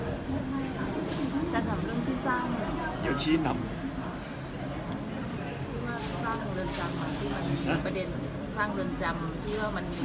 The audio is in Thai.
พี่ว่ามีประเด็นที่ตอนนี้อาหาร